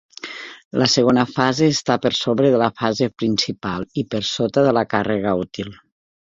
La segona fase està per sobre de la fase principal i per sota de la càrrega útil.